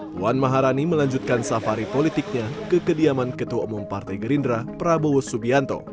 puan maharani melanjutkan safari politiknya ke kediaman ketua umum partai gerindra prabowo subianto